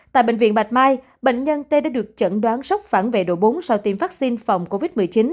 tại bệnh viện bạch mai bệnh nhân t đã được chẩn đoán sốc phản vệ độ bốn sau tiêm vaccine phòng covid một mươi chín